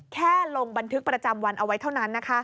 แค่ลงบันทึกประจำวันเอาไว้เท่านั้น